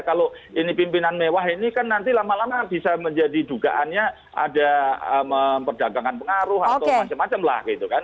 kalau ini pimpinan mewah ini kan nanti lama lama bisa menjadi dugaannya ada memperdagangkan pengaruh atau macam macam lah gitu kan